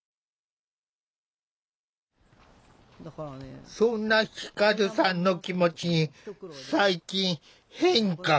さっきもそんな輝さんの気持ちに最近変化が。